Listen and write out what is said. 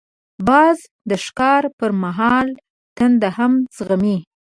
باز د ښکار پر مهال تنده هم زغمي